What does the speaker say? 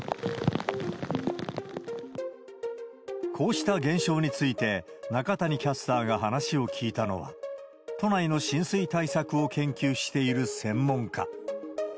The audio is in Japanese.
こうした現象について、中谷キャスターが話を聞いたのは、都内の浸水対策を研究している専門家。